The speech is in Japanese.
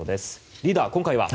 リーダー、今回は？